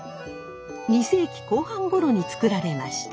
２世紀後半ごろに作られました。